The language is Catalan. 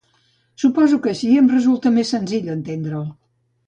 Suposo que així em resulta més senzill entendre'l.